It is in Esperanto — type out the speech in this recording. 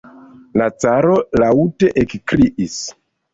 La caro laŭte ekkriis.